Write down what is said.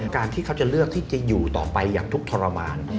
การที่เขาจะเลือกที่จะอยู่ต่อไปอย่างทุกข์ทรมาน